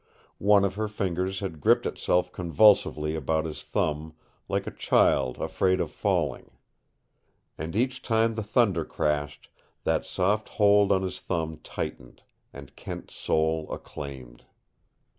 One of her fingers had gripped itself convulsively about his thumb, like a child afraid of falling. And each time the thunder crashed that soft hold on his thumb tightened, and Kent's soul acclaimed.